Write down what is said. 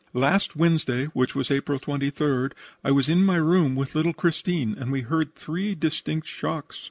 "Last Wednesday, which was April 23d, I was in my room with little Christine, and we heard three distinct shocks.